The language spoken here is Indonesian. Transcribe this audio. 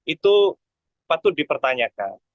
itu patut dipertanyakan